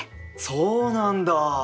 そうなんだ。